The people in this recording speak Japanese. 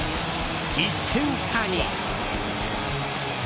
１点差に。